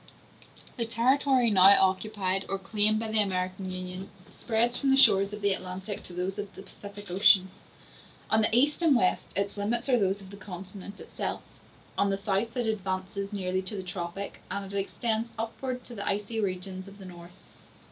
The territory now occupied or claimed by the American Union spreads from the shores of the Atlantic to those of the Pacific Ocean. On the east and west its limits are those of the continent itself. On the south it advances nearly to the tropic, and it extends upwards to the icy regions of the North.